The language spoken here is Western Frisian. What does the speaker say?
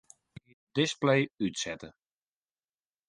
Display útsette.